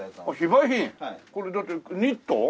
これだってニット？